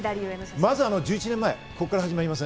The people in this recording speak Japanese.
まずは１１年前から始まります。